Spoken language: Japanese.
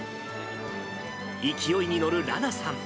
勢いに乗る、らなさん。